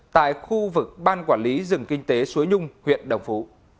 tại khu vực ban quản lý rừng kinh tế suối nhung huyện đồng phú